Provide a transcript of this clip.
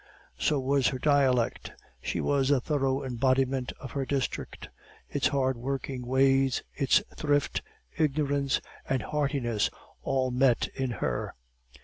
So was her dialect; she was a thorough embodiment of her district; its hardworking ways, its thrift, ignorance, and heartiness all met in her.